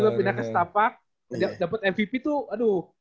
tiba tiba pindah ke setapak dapet mvp tuh aduh